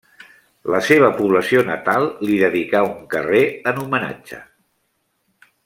La seva població natal li dedicà un carrer en homenatge.